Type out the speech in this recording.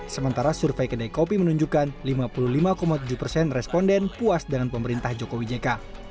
sementara survei kedai kopi menunjukkan lima puluh lima tujuh persen responden puas dengan pemerintah jokowi jk